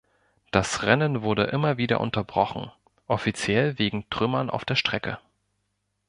Das Rennen wurde immer wieder unterbrochen, offiziell wegen Trümmern auf der Strecke.